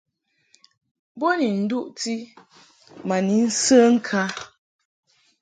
Bo ni nduʼti ma ni nsə ŋkǎ.